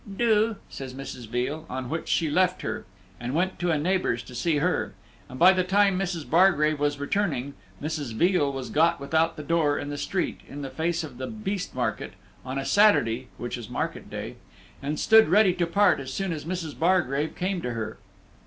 "Do," says Mrs. Veal; on which she left her, and went to a neighbor's to see her; and by the time Mrs. Bargrave was returning, Mrs. Veal was got without the door in the street, in the face of the beast market, on a Saturday (which is market day), and stood ready to part as soon as Mrs. Bargrave came to her.